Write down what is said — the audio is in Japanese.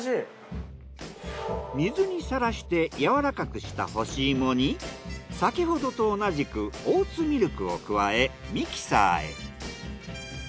水にさらしてやわらかくした干し芋に先ほどと同じくオーツミルクを加えミキサーへ。